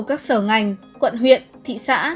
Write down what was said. các sở ngành quận huyện thị xã